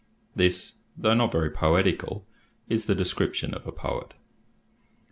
This, though not very poetical, is the description of a poet.